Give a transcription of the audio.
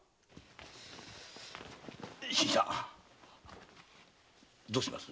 新さんどうします？